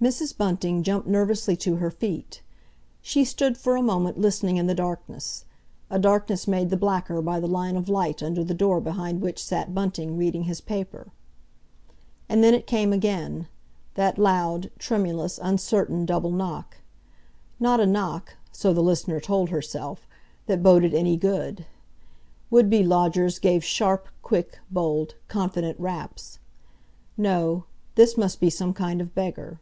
Mr. Bunting jumped nervously to her feet. She stood for a moment listening in the darkness, a darkness made the blacker by the line of light under the door behind which sat Bunting reading his paper. And then it came again, that loud, tremulous, uncertain double knock; not a knock, so the listener told herself, that boded any good. Would be lodgers gave sharp, quick, bold, confident raps. No; this must be some kind of beggar.